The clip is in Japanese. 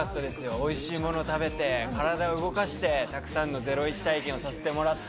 おいしいものを食べて、体を動かして、たくさんのゼロイチ体験をさせてもらって。